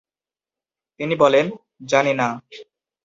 তিনি বলেন, জানি না।